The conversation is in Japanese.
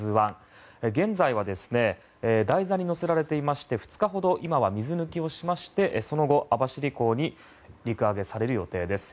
現在は台座に載せられていまして２日ほど今は水抜きをしましてその後、網走港に陸揚げされる予定です。